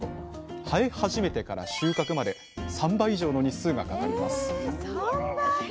生え始めてから収穫まで３倍以上の日数がかかりますえっ